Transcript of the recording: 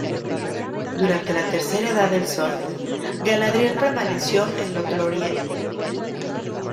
Durante la Tercera Edad del Sol, Galadriel permaneció en Lothlórien.